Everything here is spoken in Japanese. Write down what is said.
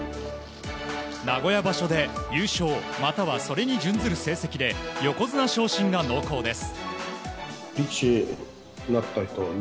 名古屋場所で優勝または、それに準ずる成績で横綱昇進が濃厚です。